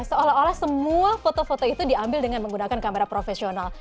seolah olah semua foto foto itu diambil dengan menggunakan kamera profesional